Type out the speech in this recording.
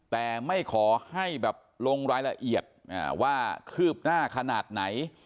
แต่ไม่ขอให้แบบลงรายละเอียดว่าคืบหน้าขนาดไหน